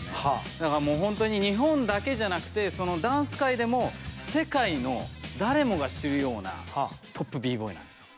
だからもうほんとに日本だけじゃなくてダンス界でも世界の誰もが知るようなトップＢ−Ｂｏｙなんですよ。